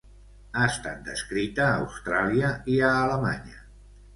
Ha estat descrita a Austràlia i a Alemanya.